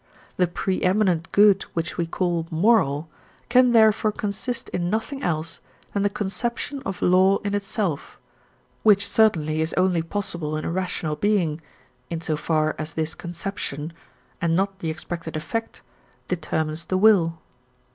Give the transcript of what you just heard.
The pre eminent good which we call moral can therefore consist in nothing else than the conception of law in itself, which certainly is only possible in a rational being, in so far as this conception, and not the expected effect, determines the will.